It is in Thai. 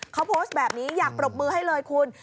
เขาโพสต์แบบนี้อยากปรบมือให้เลยคุณ